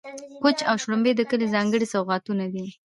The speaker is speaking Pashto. کوچ او شړومبې د کلي ځانګړي سوغاتونه دي.